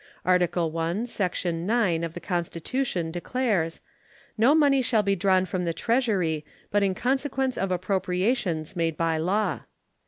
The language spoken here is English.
Article I, section 9, of the Constitution declares: No money shall be drawn from the Treasury but in consequence of appropriations made by law.